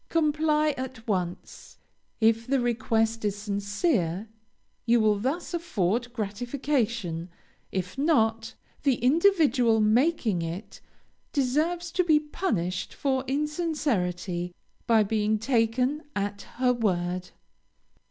Comply at once. If the request is sincere, you will thus afford gratification; if not, the individual making it deserves to be punished for insincerity, by being taken at her word.